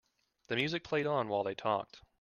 The music played on while they talked.